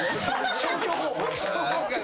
消去法。